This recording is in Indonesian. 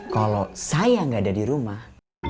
kalau saya nggak ada di rumah